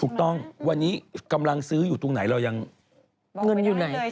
ถูกต้องวันนี้กำลังซื้ออยู่ตรงไหนเรายังเงินอยู่ไหน